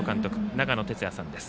長野哲也さんです。